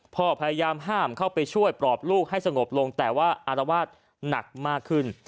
พยายามห้ามเข้าไปช่วยปลอบลูกให้สงบลงแต่ว่าอารวาสหนักมากขึ้น